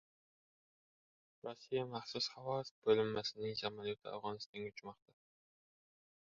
"Rossiya" maxsus havo bo‘linmasining samolyoti Afg‘onistonga uchmoqda